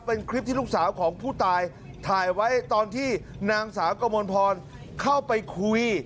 เป็นคลิปที่ลูกสาวของผู้ตายถ่ายไว้ตอนที่นางสาวกมลพรเข้าไปคุย